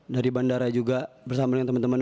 dari bandara juga bersama dengan teman teman